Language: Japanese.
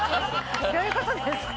どういうことですか？